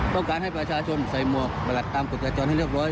ต้องการให้ประชาชนใส่หมวกประหลักตามกฎจราจรให้เรียบร้อย